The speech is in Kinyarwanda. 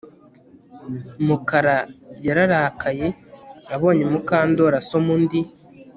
Mukara yararakaye abonye Mukandoli asoma undi